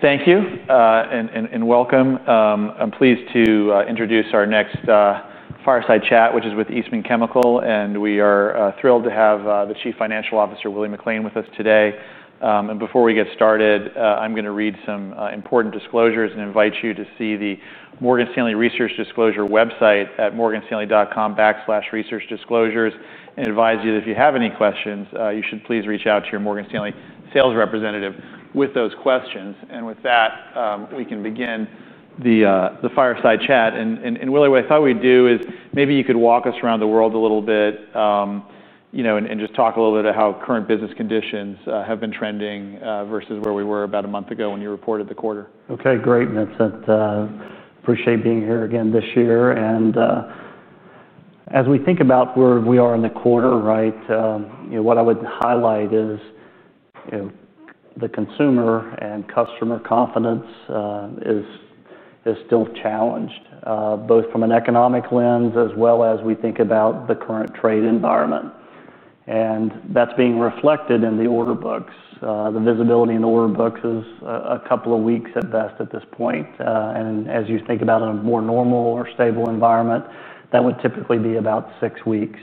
Thank you and welcome. I'm pleased to introduce our next fireside chat, which is with Eastman Chemical Company. We are thrilled to have the Chief Financial Officer, Willie McLain, with us today. Before we get started, I'm going to read some important disclosures and invite you to see the Morgan Stanley Research Disclosure website at morganstanley.com/researchdisclosures and advise you that if you have any questions, you should please reach out to your Morgan Stanley sales representative with those questions. With that, we can begin the fireside chat. Willie, what I thought we'd do is maybe you could walk us around the world a little bit, you know, and just talk a little bit about how current business conditions have been trending versus where we were about a month ago when you reported the quarter. OK, great. I appreciate being here again this year. As we think about where we are in the quarter, what I would highlight is the consumer and customer confidence is still challenged, both from an economic lens as well as when we think about the current trade environment. That is being reflected in the order books. The visibility in the order books is a couple of weeks at best at this point. As you think about a more normal or stable environment, that would typically be about six weeks.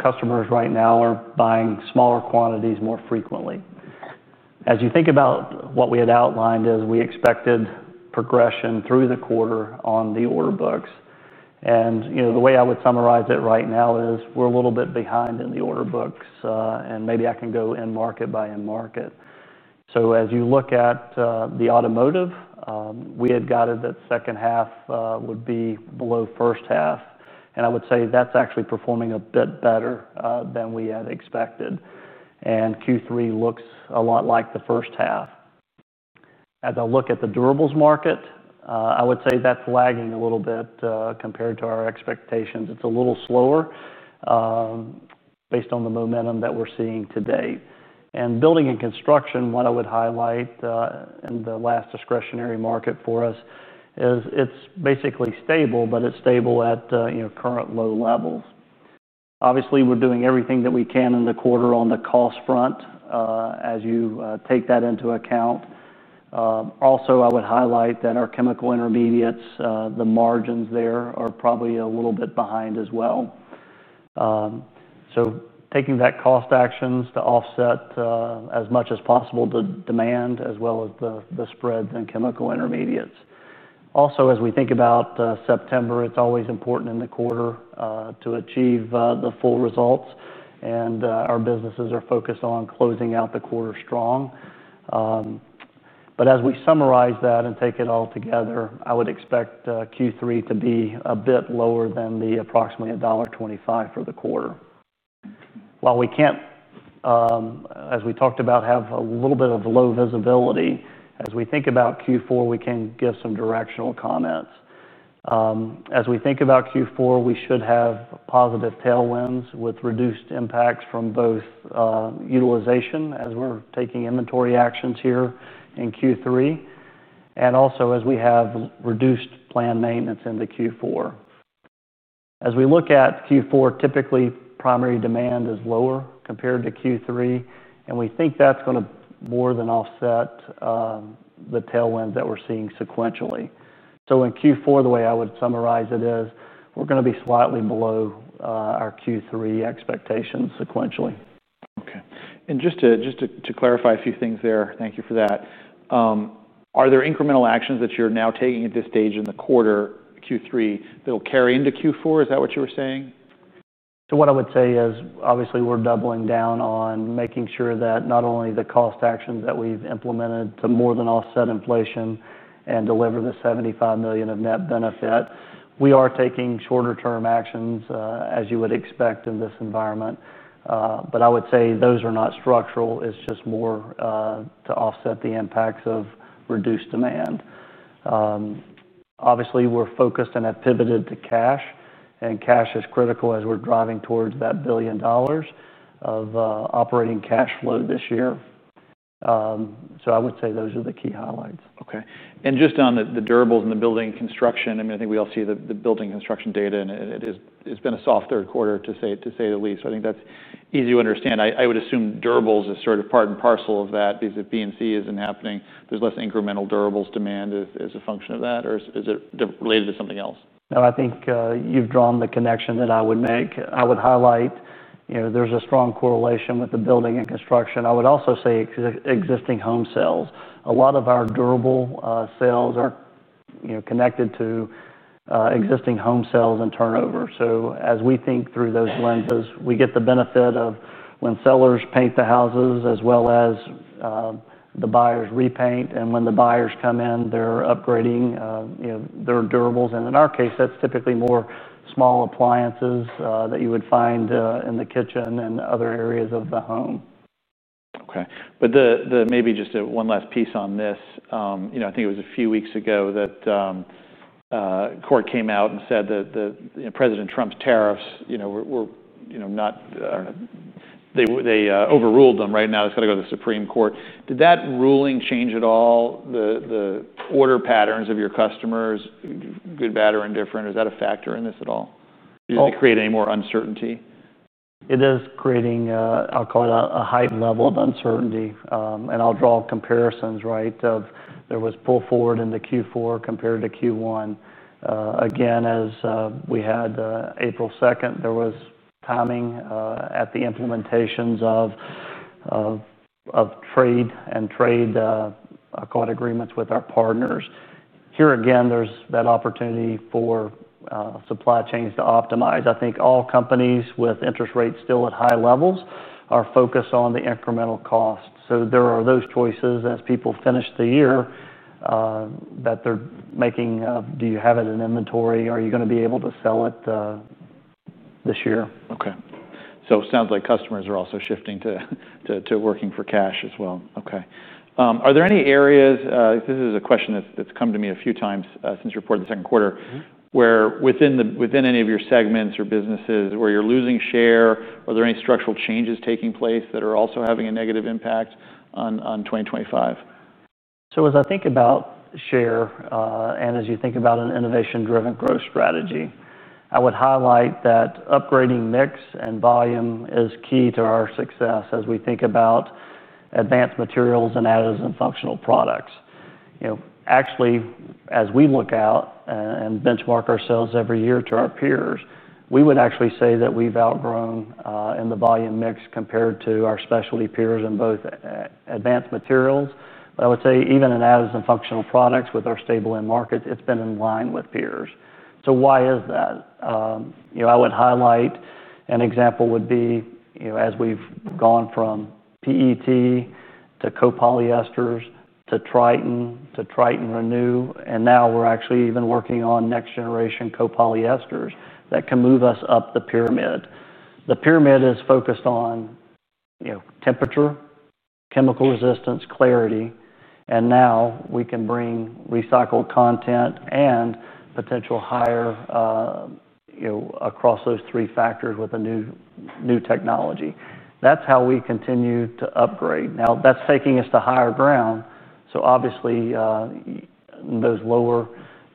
Customers right now are buying smaller quantities more frequently. As you think about what we had outlined as we expected progression through the quarter on the order books, the way I would summarize it right now is we're a little bit behind in the order books. Maybe I can go end market by end market. As you look at automotive, we had gathered that second half would be below first half. I would say that's actually performing a bit better than we had expected, and Q3 looks a lot like the first half. As I look at the durables market, I would say that's lagging a little bit compared to our expectations. It's a little slower based on the momentum that we're seeing today. In building and construction, what I would highlight in the last discretionary market for us is it's basically stable, but it's stable at current low levels. Obviously, we're doing everything that we can in the quarter on the cost front as you take that into account. I would also highlight that our Chemical Intermediates, the margins there are probably a little bit behind as well. Taking that cost actions to offset as much as possible the demand as well as the spread in Chemical Intermediates. As we think about September, it's always important in the quarter to achieve the full results, and our businesses are focused on closing out the quarter strong. As we summarize that and take it all together, I would expect Q3 to be a bit lower than the approximately $1.25 for the quarter. While we can't, as we talked about, have a little bit of low visibility, as we think about Q4, we can give some directional comments. As we think about Q4, we should have positive tailwinds with reduced impacts from both utilization as we're taking inventory actions here in Q3 and also as we have reduced planned maintenance in Q4. As we look at Q4, typically primary demand is lower compared to Q3, and we think that's going to more than offset the tailwinds that we're seeing sequentially. In Q4, the way I would summarize it is we're going to be slightly below our Q3 expectations sequentially. OK. Just to clarify a few things there, thank you for that. Are there incremental actions that you're now taking at this stage in the quarter, Q3, that will carry into Q4? Is that what you were saying? What I would say is obviously we're doubling down on making sure that not only the cost actions that we've implemented to more than offset inflation and deliver the $75 million of net benefit, we are taking shorter-term actions as you would expect in this environment. I would say those are not structural. It's just more to offset the impacts of reduced demand. Obviously, we're focused and have pivoted to cash, and cash is critical as we're driving towards that $1 billion of operating cash flow this year. I would say those are the key highlights. OK. Just on the durables and the building construction, I think we all see the building construction data. It has been a soft third quarter to say the least. I think that's easy to understand. I would assume durables is sort of part and parcel of that because if BMC isn't happening, there's less incremental durables demand as a function of that. Is it related to something else? No, I think you've drawn the connection that I would make. I would highlight, you know, there's a strong correlation with the building and construction. I would also say existing home sales. A lot of our durable sales are, you know, connected to existing home sales and turnover. As we think through those lens, we get the benefit of when sellers paint the houses as well as the buyers repaint. When the buyers come in, they're upgrading, you know, their durables. In our case, that's typically more small appliances that you would find in the kitchen and other areas of the home. OK. Maybe just one last piece on this. I think it was a few weeks ago that the court came out and said that President Trump's tariffs were not, they overruled them right now. It's got to go to the Supreme Court. Did that ruling change at all the order patterns of your customers, good, bad, or indifferent? Is that a factor in this at all? Does it create any more uncertainty? It is creating, I'll call it, a heightened level of uncertainty. I'll draw comparisons, right, of there was pull forward in the Q4 compared to Q1. Again, as we had April 2, there was timing at the implementations of trade and trade, I call it, agreements with our partners. Here again, there's that opportunity for supply chains to optimize. I think all companies with interest rates still at high levels are focused on the incremental cost. There are those choices as people finish the year that they're making. Do you have it in inventory? Are you going to be able to sell it this year? OK. It sounds like customers are also shifting to working for cash as well. Are there any areas, this is a question that's come to me a few times since you reported the second quarter, where within any of your segments or businesses where you're losing share, are there any structural changes taking place that are also having a negative impact on 2025? As I think about share and as you think about an innovation-driven growth strategy, I would highlight that upgrading mix and volume is key to our success as we think about Advanced Materials and Additives & Functional Products. Actually, as we look out and benchmark ourselves every year to our peers, we would actually say that we've outgrown in the volume mix compared to our specialty peers in both Advanced Materials. I would say even in Additives & Functional Products with our stable end markets, it's been in line with peers. Why is that? I would highlight an example would be, as we've gone from PET to copolyesters to Tritan to Tritan Renew. Now we're actually even working on next-generation copolyesters that can move us up the pyramid. The pyramid is focused on temperature, chemical resistance, clarity. Now we can bring recycled content and potential higher, across those three factors with a new technology. That's how we continue to upgrade. That's taking us to higher ground. Obviously, those lower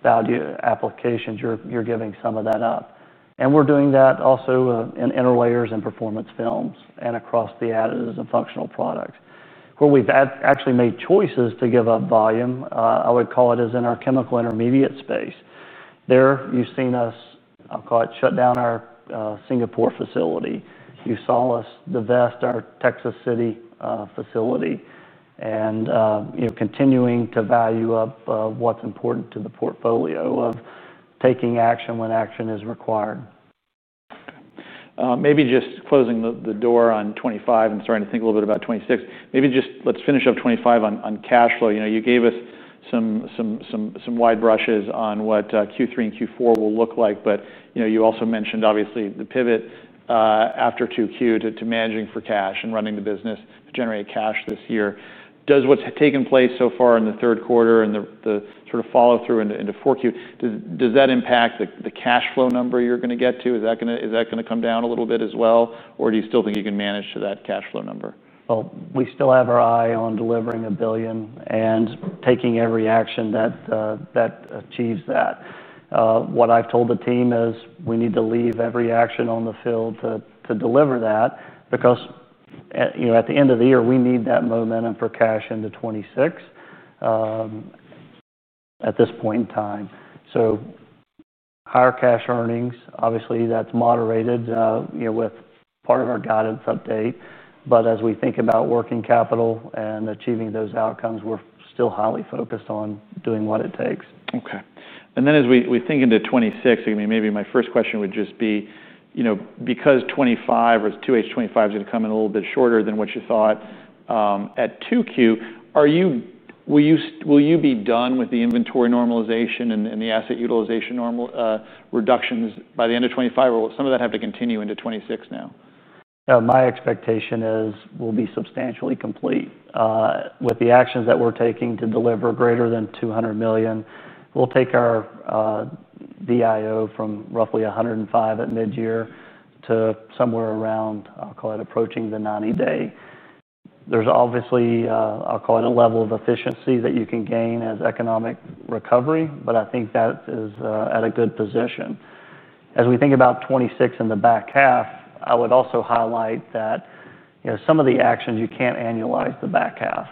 value applications, you're giving some of that up. We're doing that also in interlayers and performance films and across the Additives & Functional Products. Where we've actually made choices to give up volume, I would call it, is in our Chemical Intermediates space. There, you've seen us, I'll call it, shut down our Singapore facility. You saw us divest our Texas City facility and continuing to value up what's important to the portfolio of taking action when action is required. Maybe just closing the door on 2025 and starting to think a little bit about 2026. Maybe just let's finish up 2025 on cash flow. You know, you gave us some wide brushes on what Q3 and Q4 will look like. You also mentioned obviously the pivot after 2Q to managing for cash and running the business to generate cash this year. Does what's taken place so far in the third quarter and the sort of follow-through into Q4, does that impact the cash flow number you're going to get to? Is that going to come down a little bit as well? Do you still think you can manage to that cash flow number? We still have our eye on delivering $1 billion and taking every action that achieves that. What I've told the team is we need to leave every action on the field to deliver that because, you know, at the end of the year, we need that momentum for cash into 2026 at this point in time. Higher cash earnings, obviously, that's moderated, you know, with part of our guidance update. As we think about working capital and achieving those outcomes, we're still highly focused on doing what it takes. OK. As we think into 2026, maybe my first question would just be, you know, because 2025 or Q2 2025 is going to come in a little bit shorter than what you thought at 2Q, are you, will you be done with the inventory normalization and the asset utilization reductions by the end of 2025? Or will some of that have to continue into 2026 now? My expectation is we'll be substantially complete with the actions that we're taking to deliver greater than $200 million. We'll take our DIO from roughly $105 at mid-year to somewhere around, I'll call it, approaching the 90-day. There's obviously a level of efficiency that you can gain as economic recovery. I think that is at a good position. As we think about 2026 in the back half, I would also highlight that some of the actions you can't annualize the back half.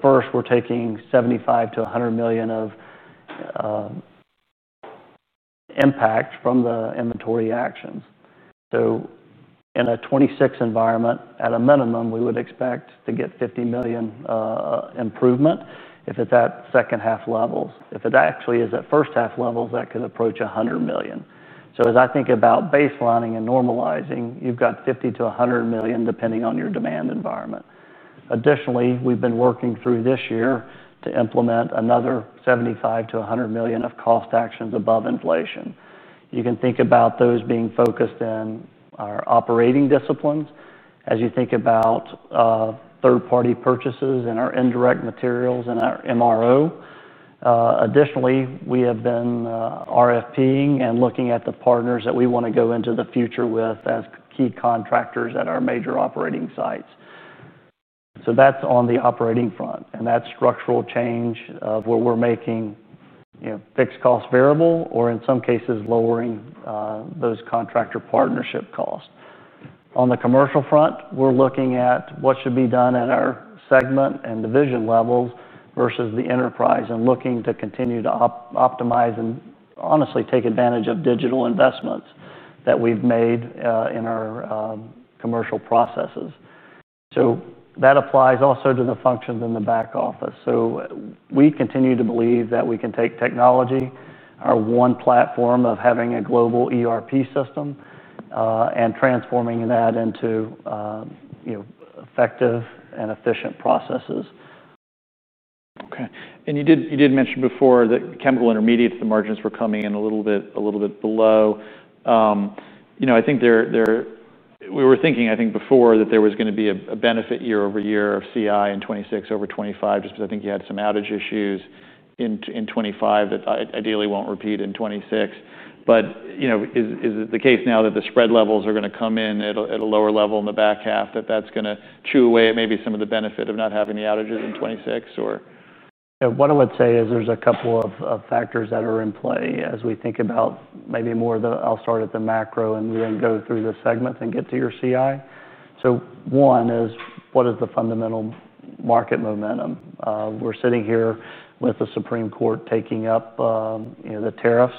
First, we're taking $75 million to $100 million of impact from the inventory actions. In a 2026 environment, at a minimum, we would expect to get $50 million improvement if it's at second half levels. If it actually is at first half levels, that could approach $100 million. As I think about baselining and normalizing, you've got $50 million to $100 million depending on your demand environment. Additionally, we've been working through this year to implement another $75 million to $100 million of cost actions above inflation. You can think about those being focused in our operating disciplines as you think about third-party purchases and our indirect materials and our MRO. Additionally, we have been RFPing and looking at the partners that we want to go into the future with as key contractors at our major operating sites. That's on the operating front. That's structural change of where we're making fixed costs variable or in some cases lowering those contractor partnership costs. On the commercial front, we're looking at what should be done in our segment and division levels versus the enterprise and looking to continue to optimize and honestly take advantage of digital investments that we've made in our commercial processes. That applies also to the functions in the back office. We continue to believe that we can take technology, our one platform of having a global ERP system, and transforming that into effective and efficient processes. OK. You did mention before that Chemical Intermediates, the margins were coming in a little bit below. I think we were thinking before that there was going to be a benefit year over year of CI in 2026 over 2025 just because I think you had some outage issues in 2025 that ideally won't repeat in 2026. Is it the case now that the spread levels are going to come in at a lower level in the back half, that that's going to chew away maybe some of the benefit of not having the outages in 2026? There are a couple of factors that are in play as we think about maybe more of the, I'll start at the macro and we then go through the segments and get to your CI. One is what is the fundamental market momentum? We're sitting here with the Supreme Court taking up, you know, the tariffs.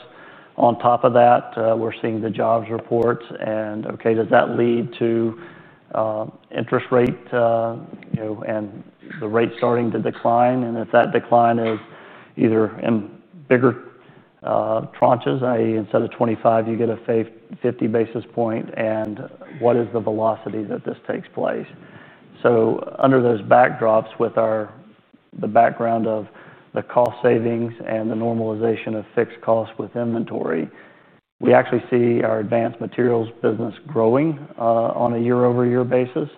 On top of that, we're seeing the jobs reports. Does that lead to interest rate, you know, and the rate starting to decline? If that decline is either in bigger tranches, i.e., instead of $25, you get a $50 basis point. What is the velocity that this takes place? Under those backdrops with the background of the cost savings and the normalization of fixed costs with inventory, we actually see our Advanced Materials business growing on a year-over-year basis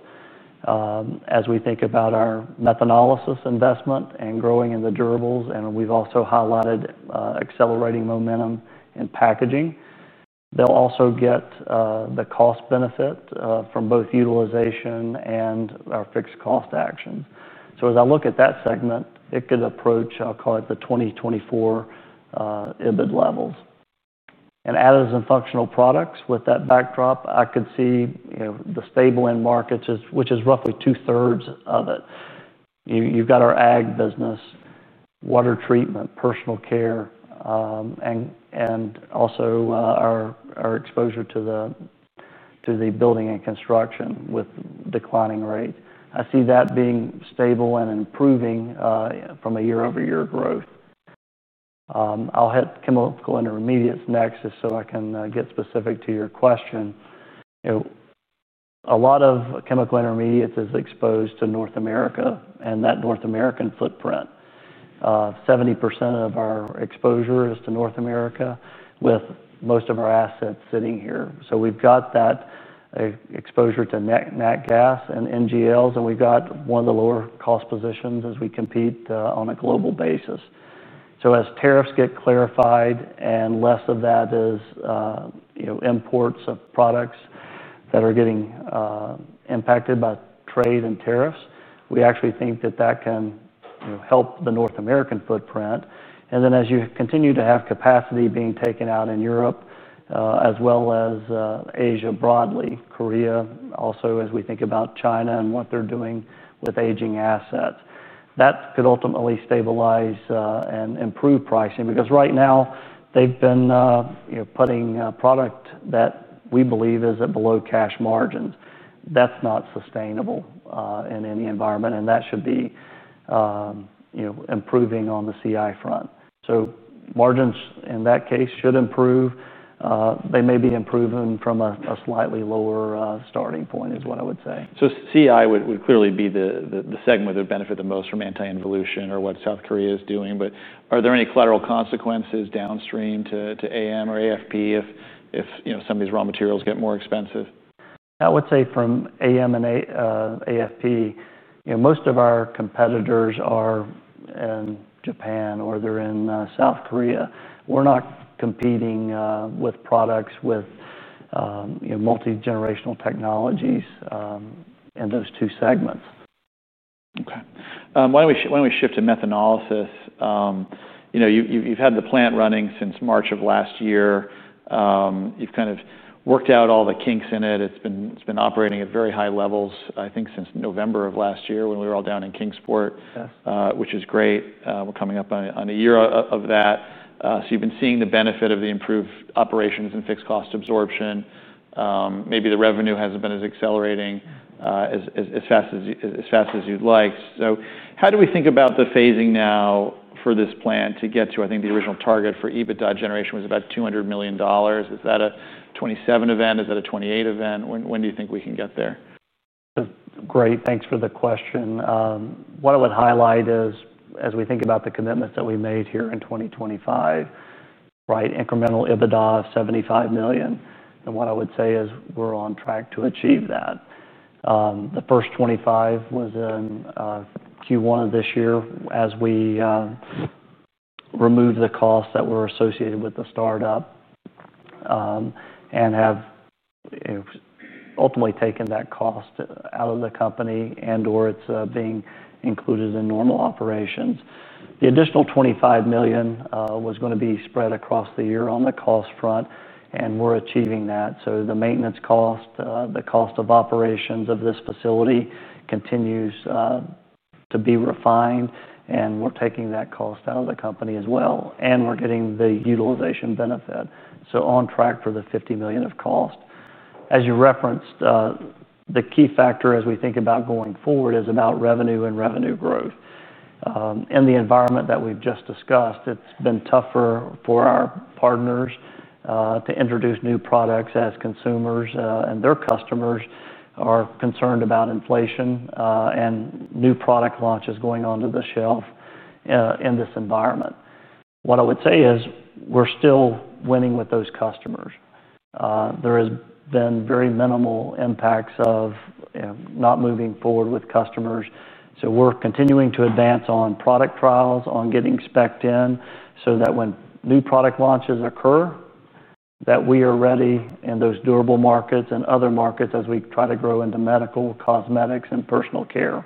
as we think about our methanolysis investment and growing in the durables. We've also highlighted accelerating momentum in packaging. They'll also get the cost benefit from both utilization and our fixed cost action. As I look at that segment, it could approach, I'll call it, the 2024 EBIT levels. Additives & Functional Products with that backdrop, I could see, you know, the stable end market, which is roughly 2/3 of it. You've got our ag business, water treatment, personal care, and also our exposure to the building and construction with declining rates. I see that being stable and improving from a year-over-year growth. I'll hit Chemical Intermediates next just so I can get specific to your question. A lot of Chemical Intermediates is exposed to North America and that North American footprint. 70% of our exposure is to North America with most of our assets sitting here. We've got that exposure to nat gas and NGLs. We've got one of the lower cost positions as we compete on a global basis. As tariffs get clarified and less of that is, you know, imports of products that are getting impacted by trade and tariffs, we actually think that that can, you know, help the North American footprint. As you continue to have capacity being taken out in Europe as well as Asia broadly, Korea, also as we think about China and what they're doing with aging assets, that could ultimately stabilize and improve pricing. Right now, they've been, you know, putting product that we believe is at below cash margins. That's not sustainable in any environment. That should be, you know, improving on the CI front. Margins in that case should improve. They may be improving from a slightly lower starting point is what I would say. CI would clearly be the segment where they would benefit the most from anti-involution or what South Korea is doing. Are there any collateral consequences downstream to AM or AFP if some of these raw materials get more expensive? I would say from Advanced Materials and Additives & Functional Products, you know, most of our competitors are in Japan or they're in South Korea. We're not competing with products with, you know, multi-generational technologies in those two segments. OK. Why don't we shift to methanolysis? You've had the plant running since March of last year. You've kind of worked out all the kinks in it. It's been operating at very high levels, I think, since November of last year when we were all down in Kingsport, which is great. We're coming up on a year of that. You've been seeing the benefit of the improved operations and fixed cost absorption. Maybe the revenue hasn't been as accelerating as fast as you'd liked. How do we think about the phasing now for this plant to get to, I think, the original target for EBITDA generation was about $200 million. Is that a 2027 event? Is that a 2028 event? When do you think we can get there? Great. Thanks for the question. What I would highlight is as we think about the commitments that we made here in 2025, right, incremental EBITDA of $75 million. What I would say is we're on track to achieve that. The first $25 million was in Q1 of this year as we removed the costs that were associated with the startup and have ultimately taken that cost out of the company and/or it's being included in normal operations. The additional $25 million was going to be spread across the year on the cost front. We're achieving that. The maintenance cost, the cost of operations of this facility continues to be refined. We're taking that cost out of the company as well. We're getting the utilization benefit. On track for the $50 million of cost. As you referenced, the key factor as we think about going forward is about revenue and revenue growth. In the environment that we've just discussed, it's been tougher for our partners to introduce new products as consumers and their customers are concerned about inflation and new product launches going onto the shelf in this environment. What I would say is we're still winning with those customers. There has been very minimal impacts of not moving forward with customers. We're continuing to advance on product trials, on getting specced in so that when new product launches occur, that we are ready in those durable markets and other markets as we try to grow into medical, cosmetics, and personal care.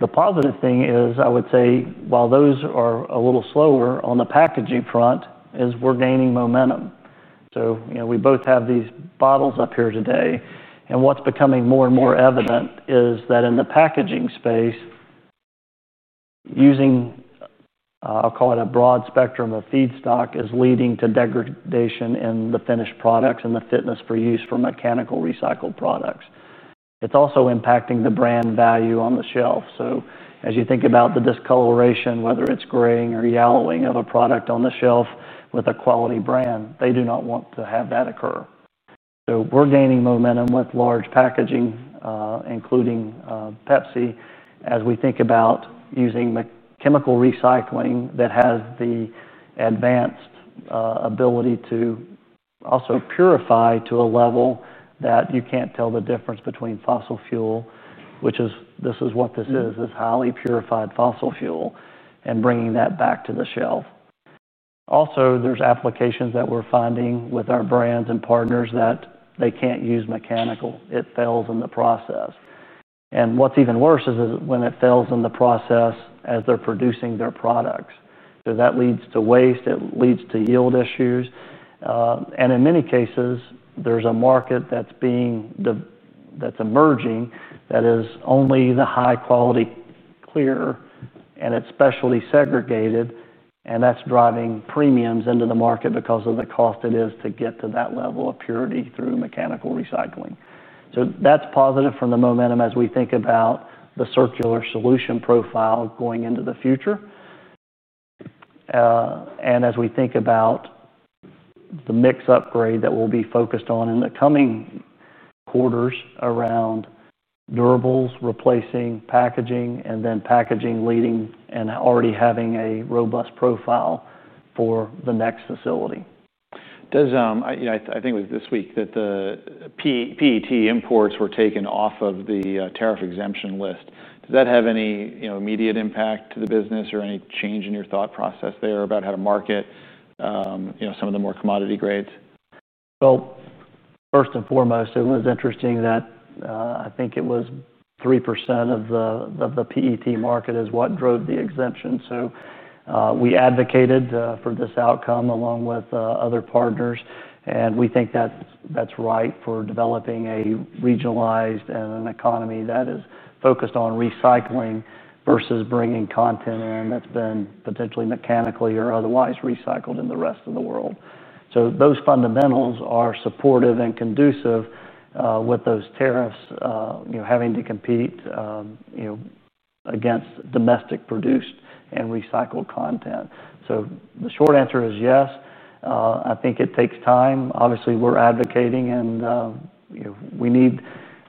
The positive thing is I would say while those are a little slower on the packaging front, we're gaining momentum. You know, we both have these bottles up here today. What's becoming more and more evident is that in the packaging space, using, I'll call it, a broad spectrum of feedstock is leading to degradation in the finished products and the fitness for use for mechanical recycled products. It's also impacting the brand value on the shelf. As you think about the discoloration, whether it's graying or yellowing of a product on the shelf with a quality brand, they do not want to have that occur. We're gaining momentum with large packaging, including Pepsi, as we think about using chemical recycling that has the advanced ability to also purify to a level that you can't tell the difference between fossil fuel, which is what this is, is highly purified fossil fuel, and bringing that back to the shelf. Also, there are applications that we're finding with our brands and partners that they can't use mechanical. It fails in the process, and what's even worse is when it fails in the process as they're producing their products. That leads to waste, it leads to yield issues, and in many cases, there's a market that's emerging that is only the high-quality clear, and it's specially segregated. That's driving premiums into the market because of the cost it is to get to that level of purity through mechanical recycling. That is positive from the momentum as we think about the circular solution profile going into the future. As we think about the mix upgrade that we'll be focused on in the coming quarters around durables replacing packaging and then packaging leading and already having a robust profile for the next facility. I think it was this week that the PET imports were taken off of the tariff exemption list. Did that have any immediate impact to the business or any change in your thought process there about how to market some of the more commodity grades? First and foremost, it was interesting that I think it was 3% of the PET market is what drove the exemption. We advocated for this outcome along with other partners. We think that's right for developing a regionalized and an economy that is focused on recycling versus bringing content in that's been potentially mechanically or otherwise recycled in the rest of the world. Those fundamentals are supportive and conducive with those tariffs, having to compete against domestic produced and recycled content. The short answer is yes. I think it takes time. Obviously, we're advocating. We need,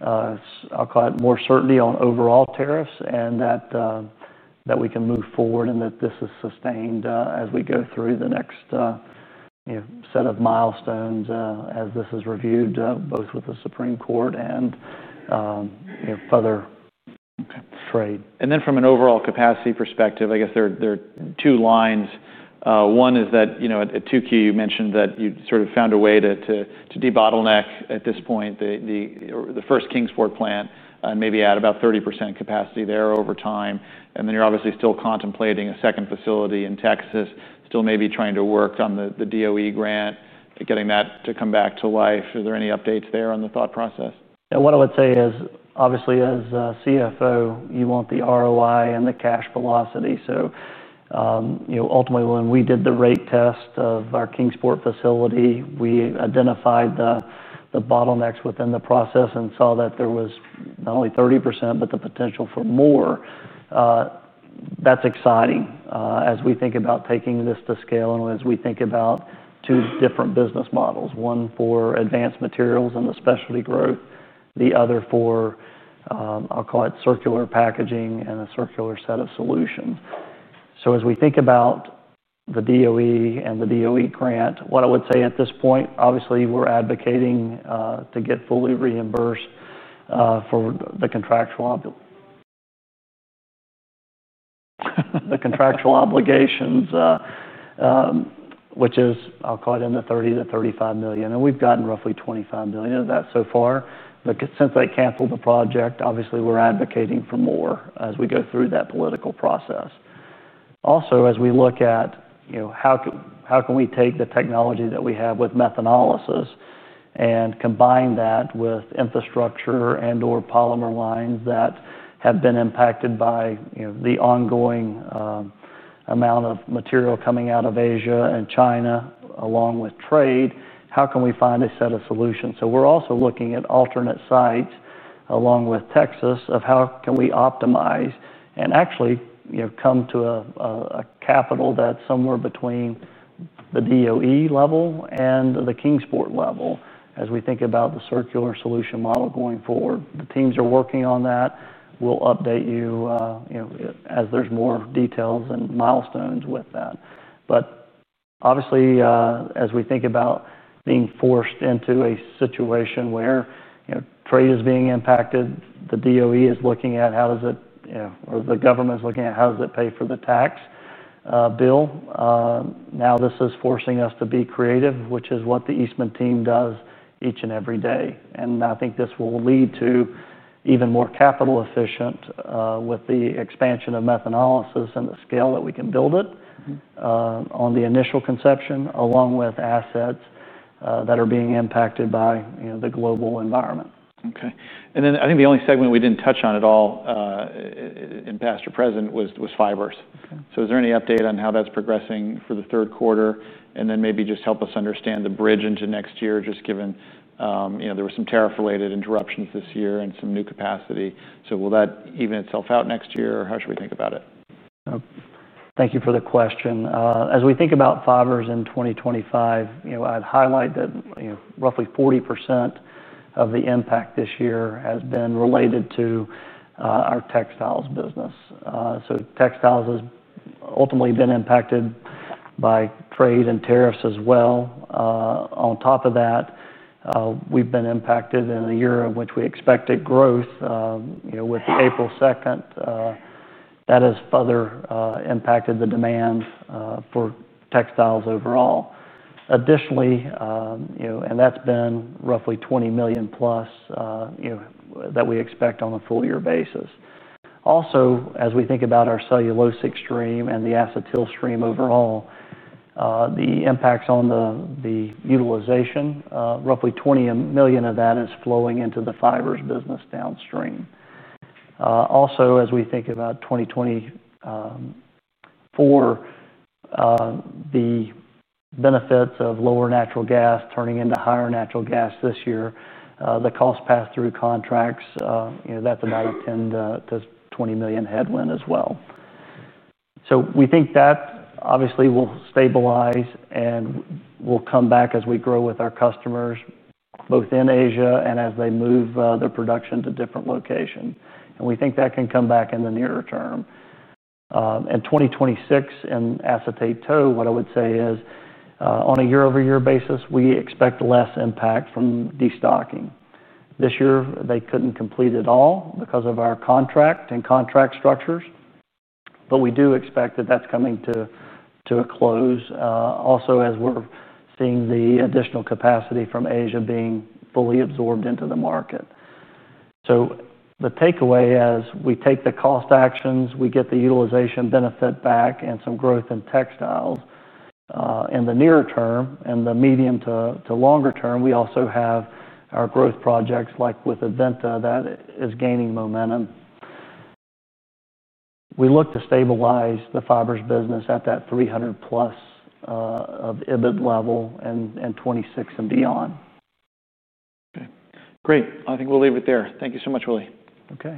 I'll call it, more certainty on overall tariffs and that we can move forward and that this is sustained as we go through the next set of milestones as this is reviewed both with the Supreme Court and further trade. From an overall capacity perspective, I guess there are two lines. One is that at 2Q, you mentioned that you sort of found a way to debottleneck at this point the first Kingsport methanolysis facility and maybe add about 30% capacity there over time. You're obviously still contemplating a second facility in Texas, still maybe trying to work on the Department of Energy grant, getting that to come back to life. Are there any updates there on the thought process? Yeah, what I would say is obviously as CFO, you want the ROI and the cash velocity. Ultimately, when we did the rate test of our Kingsport facility, we identified the bottlenecks within the process and saw that there was not only 30% but the potential for more. That's exciting as we think about taking this to scale and as we think about two different business models, one for Advanced Materials and the specialty growth, the other for, I'll call it, circular packaging and a circular set of solutions. As we think about the Department of Energy and the Department of Energy grant, what I would say at this point, obviously, we're advocating to get fully reimbursed for the contractual obligations, which is, I'll call it, in the $30 million to $35 million. We've gotten roughly $25 million of that so far. Since they canceled the project, obviously, we're advocating for more as we go through that political process. Also, as we look at how can we take the technology that we have with methanolysis and combine that with infrastructure and/or polymer lines that have been impacted by the ongoing amount of material coming out of Asia and China along with trade, how can we find a set of solutions? We're also looking at alternate sites along with Texas of how can we optimize and actually come to a capital that's somewhere between the Department of Energy level and the Kingsport level as we think about the circular solution model going forward. The teams are working on that. We'll update you as there's more details and milestones with that. Obviously, as we think about being forced into a situation where trade is being impacted, the Department of Energy is looking at how does it, or the government is looking at how does it pay for the tax bill. This is forcing us to be creative, which is what the Eastman team does each and every day. I think this will lead to even more capital efficient with the expansion of methanolysis and the scale that we can build it on the initial conception along with assets that are being impacted by the global environment. OK. I think the only segment we didn't touch on at all in past or present was Fibers. Is there any update on how that's progressing for the third quarter? Maybe just help us understand the bridge into next year, just given there were some tariff-related interruptions this year and some new capacity. Will that even itself out next year? How should we think about it? Thank you for the question. As we think about Fibers in 2025, I'd highlight that roughly 40% of the impact this year has been related to our textiles business. Textiles has ultimately been impacted by trade and tariffs as well. On top of that, we've been impacted in a year in which we expected growth, with the April 2nd that has further impacted the demand for textiles overall. Additionally, that's been roughly $20 million plus that we expect on a full-year basis. Also, as we think about our cellulosic stream and the acetyl stream overall, the impacts on the utilization, roughly $20 million of that is flowing into the Fibers business downstream. As we think about 2024, the benefits of lower natural gas turning into higher natural gas this year, the cost pass-through contracts, that's an added $10 to $20 million headwind as well. We think that obviously will stabilize and will come back as we grow with our customers both in Asia and as they move their production to different locations. We think that can come back in the near term. In 2026 in acetate tow, what I would say is on a year-over-year basis, we expect less impact from destocking. This year, they couldn't complete it all because of our contract and contract structures. We do expect that that's coming to a close also as we're seeing the additional capacity from Asia being fully absorbed into the market. The takeaway is we take the cost actions, we get the utilization benefit back and some growth in textiles in the near term. In the medium to longer term, we also have our growth projects like with Aventa that is gaining momentum. We look to stabilize the Fibers business at that $300 million plus of EBIT level in 2026 and beyond. OK. Great. I think we'll leave it there. Thank you so much, Willie. OK.